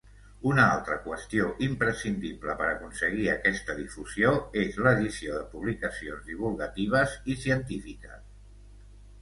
Una altra qüestió imprescindible per aconseguir aquesta difusió és l'edició de publicacions divulgatives i científiques.